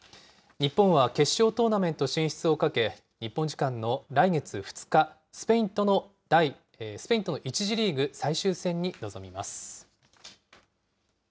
日本は決勝トーナメント進出をかけ、日本時間の来月２日、スペインとの１次リーグ最終戦に臨みます。